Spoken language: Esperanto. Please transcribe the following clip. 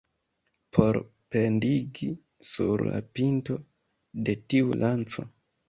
Por pendigi sur la pinto de tiu lanco.